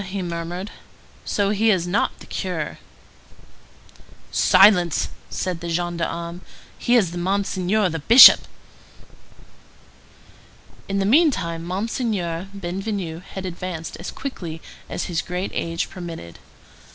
he murmured. "So he is not the curé?" "Silence!" said the gendarme. "He is Monseigneur the Bishop." In the meantime, Monseigneur Bienvenu had advanced as quickly as his great age permitted.